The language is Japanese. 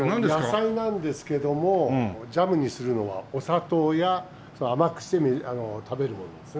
野菜なんですけどもジャムにするのはお砂糖や甘くして食べるものですね。